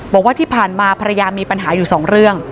บอกว่าที่ผ่านมาภรรยามีปัญหาอยู่สองเรื่อง